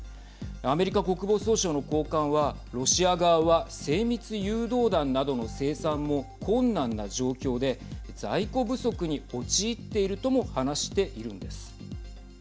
アメリカ国防総省の高官はロシア側は精密誘導弾などの生産も困難な状況で在庫不足に陥っているとも話しているんです。